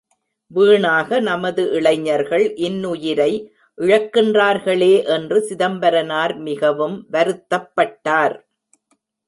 வீணாக நமது இளைஞர்கள் இன்னுயிரை இழக்கின்றார்களே என்று சிதம்பரனார் மிகவும் வருத்தப்பட்டார்.